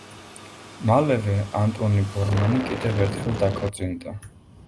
მალევე, ანტონი ბორმანი კიდევ ერთხელ დაქორწინდა.